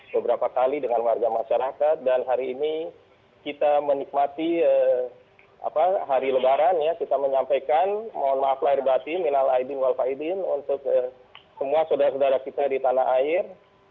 beberapa kali dengan warga masyarakat dan hari ini kita menikmati hari lebaran ya kita menyampaikan mohon maaf lahir batin minal aidin walfaidin untuk semua saudara saudara kita di tanah air